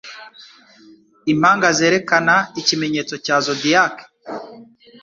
Impanga zerekana Ikimenyetso cya Zodiac?